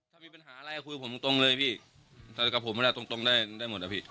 ถ้ามีปัญหาอะไรคุยผมตรงเลยพี่กับผมไม่ได้ตรงได้ได้หมดนะพี่